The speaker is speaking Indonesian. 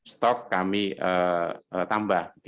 stok kami tambah